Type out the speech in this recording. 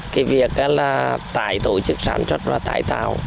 cái việc là tải tổ chức sản xuất và tải tạo